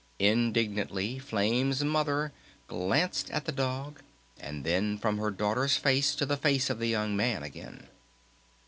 Indignantly Flame's Mother glanced at the dog, and then from her daughter's face to the face of the young man again.